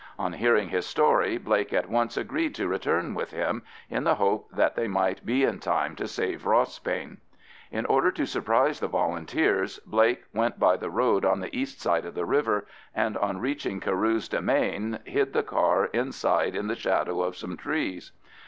On hearing his story Blake at once agreed to return with him, in the hope that they might be in time to save Rossbane. In order to surprise the Volunteers, Blake went by the road on the east side of the river, and on reaching Carew's demesne hid the car inside in the shadow of some trees.